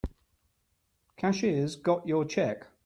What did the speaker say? Cashier's got your check.